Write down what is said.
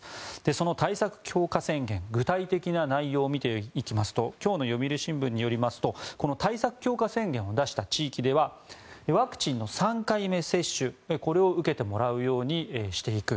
その対策強化宣言具体的な内容を見ていきますと今日の読売新聞によりますとこの対策強化宣言を出した地域ではワクチンの３回目接種、これを受けてもらうようにしていく。